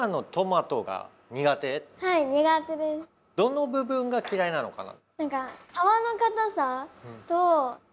どの部分がきらいなのかな？